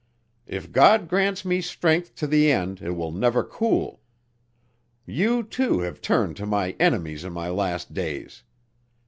If God grants me strength to the end, it will never cool. You, too, have turned to my enemies in my last days.